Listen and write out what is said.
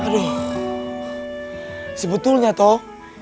aduh sebetulnya toh